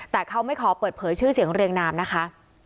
แต่เขาไม่ขอเปิดเผยชื่อเสียงเรียงนามนะคะ